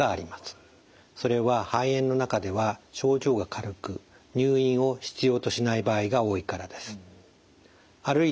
それは肺炎の中では症状が軽く入院を必要としない場合が多いからです。